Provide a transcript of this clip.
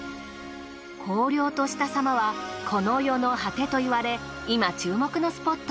荒涼としたさまはこの世の果てといわれ今注目のスポット。